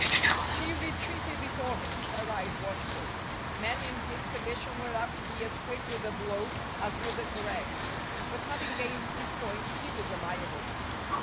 She retreated before him, her eyes watchful. Men in his condition were apt to be as quick with a blow as with a caress. But, having gained his point, he was amiable.